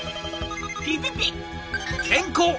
ピピピ健康！